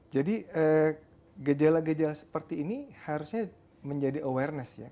jadi gejala gejala seperti ini harusnya menjadi awareness ya